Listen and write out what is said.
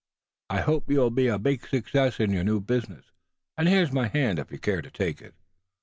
I hope you'll be a big success in your new business; and here's my hand, if you care to take it."